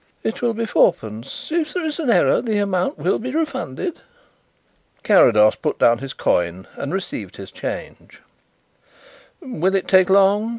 "It will be fourpence. If there is an error the amount will be refunded." Carrados put down his coin and received his change. "Will it take long?"